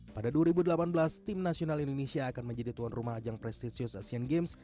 pada dua ribu delapan belas tim nasional indonesia akan menjadi tuan rumah ajang prestisius asian games